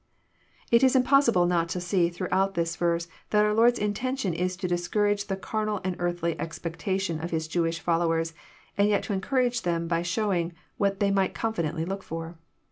It is impossible not to see throughout this verse that our Lord's intention is to discourage the carnal and earthly expecta tion of His Jewish followers, and yet to encourage them by showing what they might confidently look for.